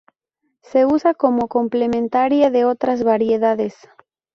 Se usa como complementaria de otras variedades.